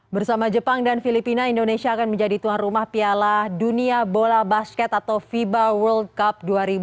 bersama jepang dan filipina indonesia akan menjadi tuan rumah piala dunia bola basket atau fiba world cup dua ribu dua puluh